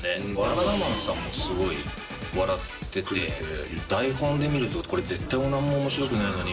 バナナマンさんもすごい笑ってて「台本で見るとこれ絶対何も面白くねえのに」